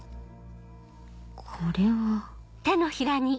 これは